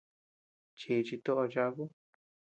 Chíchi toʼoo cháku.